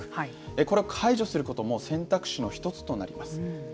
これを解除することも選択肢の１つとなります。